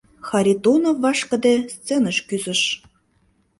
Харитонов вашкыде сценыш кӱзыш.